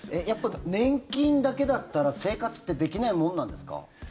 やっぱ年金だけだったら生活ってできないものですか？